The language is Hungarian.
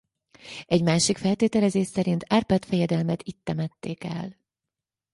Egy másik feltételezés szerint Árpád fejedelmet itt temették el.